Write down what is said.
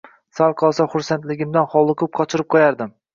Sal qolsa xursandligimdan hovliqib qochirib qo’yardim.